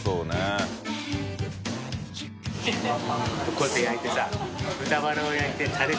こうやって焼いてさ。